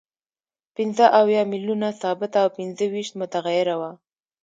پنځه اویا میلیونه ثابته او پنځه ویشت متغیره وه